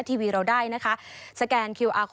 สวัสดีค่ะสวัสดีค่ะ